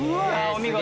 お見事！